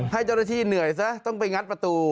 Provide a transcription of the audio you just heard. ให้เจ้าหน้าที่เหนื่อยซะต้องไปงัดประตู